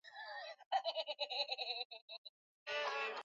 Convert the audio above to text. mashindano mengi sana yanatangazwa kupitia redio